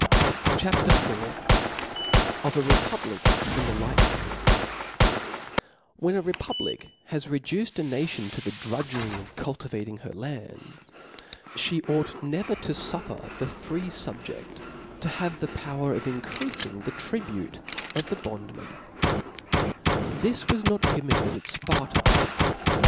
• c rt A P. iv: Of a Republic in the like Cafe* X^T tt E N a republic has reduced a nation to ^^ the drudgery of cultivating her lands, (he ought never to fufFer the free fubjeft to have a power of increafing the tribute of the bondman" This was not permitted at Sparta.